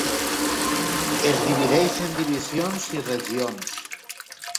Es divideix en divisions i regions.